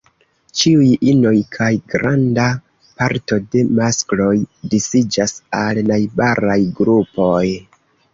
Ĉiuj inoj kaj granda parto de maskloj disiĝas al najbaraj grupoj.